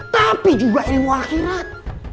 tapi juga ilmu akhirat